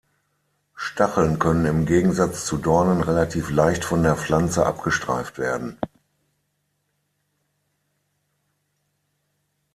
Stacheln können im Gegensatz zu Dornen relativ leicht von der Pflanze abgestreift werden.